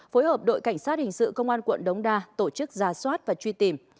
phối hợp đội cảnh sát hình sự công an quận đống đa tổ chức ra soát và truy tìm